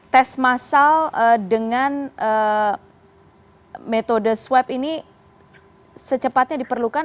tes masal dengan metode swab ini secepatnya diperlukan